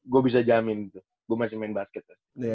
gue bisa jamin tuh gue masih main basket